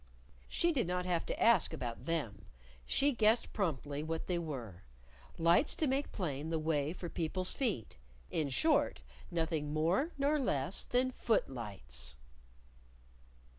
She did not have to ask about them. She guessed promptly what they were lights to make plain the way for people's feet: in short, nothing more nor less than footlights!